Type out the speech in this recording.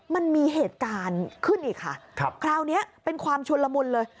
มันมีเหตุการณ์ขึ้นอีกค่ะคราวนี้เป็นความชุนละมุนเลย